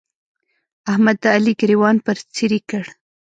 احمد د علي ګرېوان پر څيرې کړ.